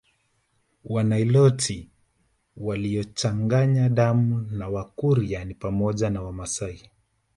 Waniloti waliochanganya damu na Wakurya ni pamoja na Wamasai